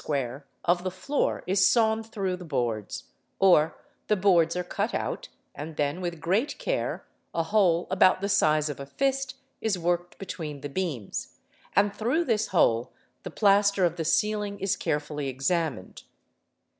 square, of the floor is sawn through the ~ boards, or the boards are cut out, and then, with great care, a hole about the size of a fist is worked between the beams, and through this hole the plaster of the ceiling is carefully examined.